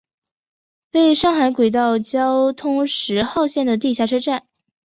为上海轨道交通十号线的地下车站。